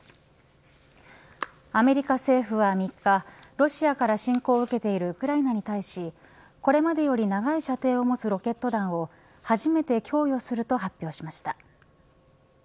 アメリカ政府は３日ロシアから侵攻を受けているウクライナに対しこれまでより長い射程を持つロケット弾を初めて供与すると発表しました。